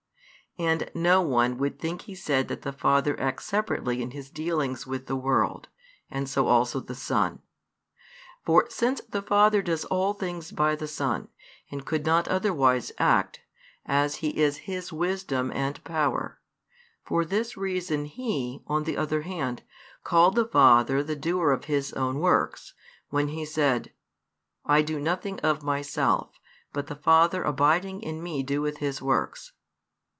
And no one would think He said that the Father acts separately in His dealings with the world, and so also the Son. For since the Father does all things by the Son, and could not otherwise act, as He is His wisdom and power, for this reason He, on the other hand, called the Father the doer of His own works, when He said: I do nothing of Myself; but the Father abiding in Me doeth His works.